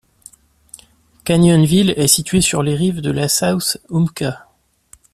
Canyonville est située sur les rives de la South Umpqua.